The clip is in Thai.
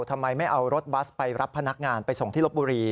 ทำไมไม่เอารถบัสไปรับพนักงานไปส่งที่ลบบุรี